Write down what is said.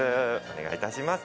お願いいたします。